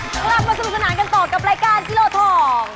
กลับมาสนุกสนานกันต่อกับรายการกิโลทอง